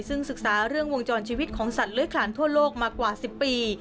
ซึ่งศึกษาเรื่องวงจรชีวิตของสัตว์เลื้อยขลานทั่วโลกมากว่า๑๐ปี